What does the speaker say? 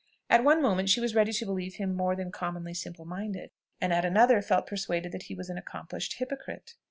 At one moment she was ready to believe him more than commonly simple minded; and at another felt persuaded that he was an accomplished hypocrite.